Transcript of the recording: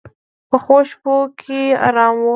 پخو شپو کې آرام وي